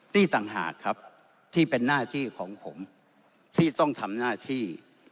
นี่ต่างหากครับที่เป็นหน้าที่ของผมที่ต้องทำหน้าที่